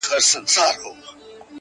ما په ژړغوني اواز دا يــوه گـيـله وكړه,